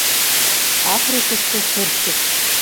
Африкыште — шырчык.